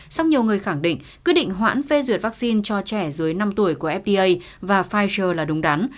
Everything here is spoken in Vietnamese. song nhiều người khẳng định quyết định hoãn phê duyệt vaccine cho trẻ dưới năm tuổi của fda và pfizer là đúng đắn